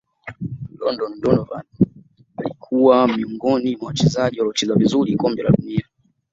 london donovan alikwa miongoni mwa wachezaji waliocheza vizuri kombe la dunia